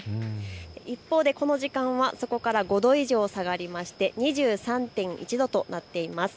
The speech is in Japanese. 一方でこの時間、そこから５度以上下がりまして２３．１度となっています。